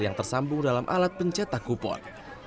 yang tersambung dalam alat pencetak kupon